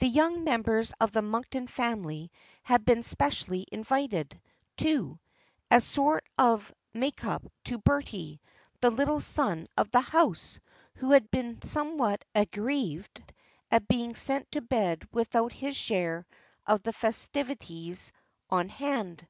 The young members of the Monkton family had been specially invited, too, as a sort of make up to Bertie, the little son of the house, who had been somewhat aggrieved at being sent to bed without his share of the festivities on hand.